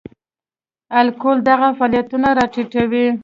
الکول دغه فعالیتونه را ټیټوي.